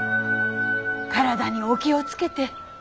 体にお気を付けて。